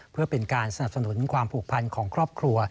เพื่อเป็นการสนับสนุนความผูกพันของครอบครัว